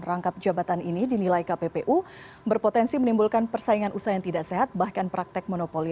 rangkap jabatan ini dinilai kppu berpotensi menimbulkan persaingan usaha yang tidak sehat bahkan praktek monopoli